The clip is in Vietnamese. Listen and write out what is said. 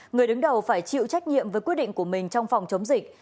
người đứng đầu phải chịu trách nhiệm với quyết định của mình trong phòng chống dịch